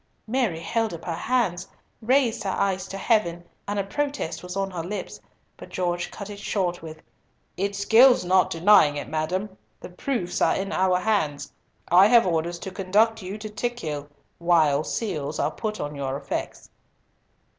Mary held up her hands, and raised her eyes to Heaven, and a protest was on her lips, but Gorges cut it short with, "It skills not denying it, madam. The proofs are in our hands. I have orders to conduct you to Tickhill, while seals are put on your effects."